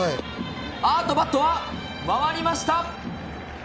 おっと、バットは回りました。